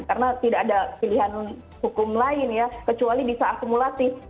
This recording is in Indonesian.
karena tidak ada pilihan hukum lain ya kecuali bisa akumulatif